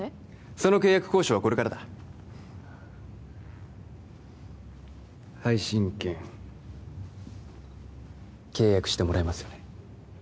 その契約交渉はこれからだ配信権契約してもらえますよね？